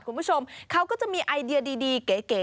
คุณผู้ชมเขาก็จะมีไอเดียดีเก๋